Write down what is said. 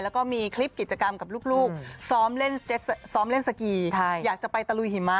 แล้วก็มีคลิปกิจกรรมกับลูกซ้อมเล่นสกีอยากจะไปตะลุยหิมะ